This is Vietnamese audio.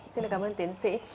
xin cảm ơn tiến sĩ